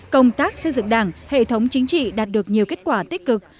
công tác xây dựng đảng hệ thống chính trị đạt được nhiều kết quả tích cực